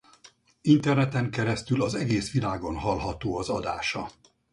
Interneten keresztül az egész világon hallható az adása.